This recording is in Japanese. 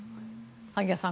萩谷さん